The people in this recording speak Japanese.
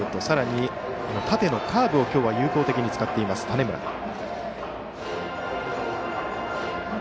さらに縦のカーブを今日は有効的に使っている種村。